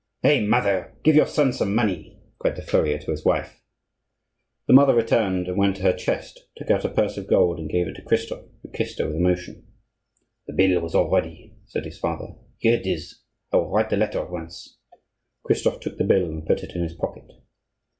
"Hey! mother! give your son some money," cried the furrier to his wife. The mother returned, went to her chest, took out a purse of gold, and gave it to Christophe, who kissed her with emotion. "The bill was all ready," said his father; "here it is. I will write the letter at once." Christophe took the bill and put it in his pocket.